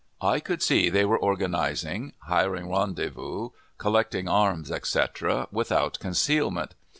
I could see they were organizing, hiring rendezvous, collecting arms, etc., without concealment.